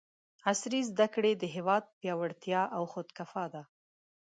عصري زده کړې د هېواد پیاوړتیا او خودکفاء ده!